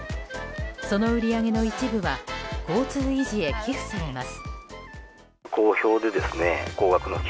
その売り上げの一部は交通遺児へ寄付されます。